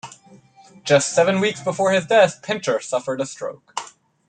Just seven weeks before his death, Pincher suffered a stroke.